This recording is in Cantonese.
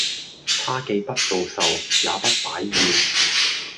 她既不做壽，也不擺宴